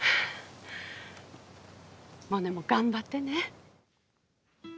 モネも頑張ってね。